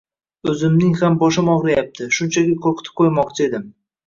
O`zimning ham boshim og`riyapti, shunchaki qo`rqitib qo`ymoqchi edim…